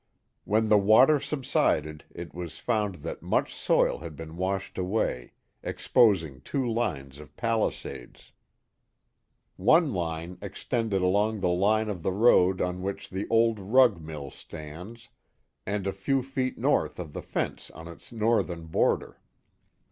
When the water subsided it was found that much soil had been washed away, exposing two lines of palisades. One tine extended along the tine of the road on which the old rug mill stands, and a few feet north of the fence on its northern border.